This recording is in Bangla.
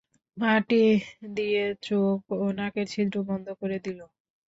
মাটি দিয়ে চোখ ও নাকের ছিদ্র বন্ধ করে দিল।